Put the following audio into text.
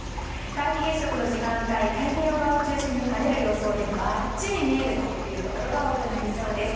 皆既月食の時間帯太平洋側を中心に晴れる予想でばっちり見えるところが多くなりそうです。